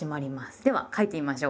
では書いてみましょう。